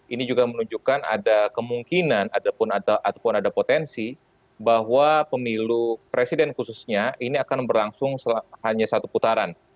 ini juga menunjukkan ada kemungkinan ataupun ada potensi bahwa pemilu presiden khususnya ini akan berlangsung hanya satu putaran